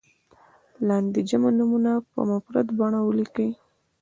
لاندې جمع نومونه په مفرد بڼه ولیکئ.